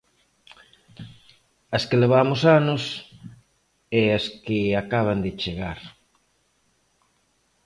As que levamos anos e as que acaban de chegar.